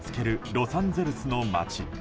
ロサンゼルスの街。